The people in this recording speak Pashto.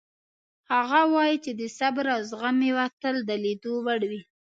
هغه وایي چې د صبر او زغم میوه تل د لیدو وړ وي